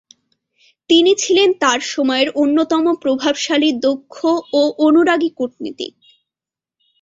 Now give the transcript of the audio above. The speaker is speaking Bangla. তিনি ছিলেন তাঁর সময়ের অন্যতম প্রভাবশালী, দক্ষ ও অনুরাগী কূটনীতিক।